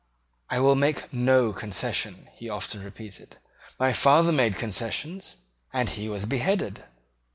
"I will make no concession," he often repeated; "my father made concessions, and he was beheaded."